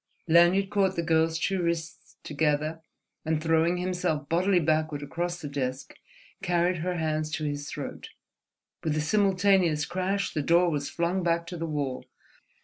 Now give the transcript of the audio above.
Lanyard caught the girl's two wrists together and, throwing himself bodily backward across the desk, carried her hands to his throat. With a simultaneous crash the door was flung back to the wall.